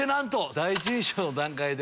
第一印象の段階で。